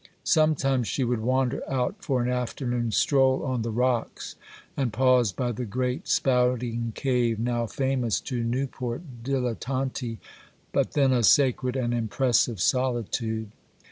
Sometimes she would wander out for an afternoon's stroll on the rocks, and pause by the great spouting cave, now famous to Newport dilettanti, but then a sacred and impressive solitude.